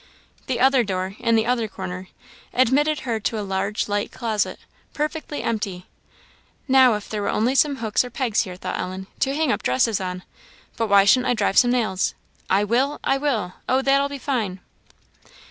The other door, in the other corner, admitted her to a large light closet, perfectly empty. "Now, if there were only some hooks or pegs here," thought Ellen, "to hang up dresses on; but why shouldn't I drive some nails? I will! I will! Oh, that'll be fine!"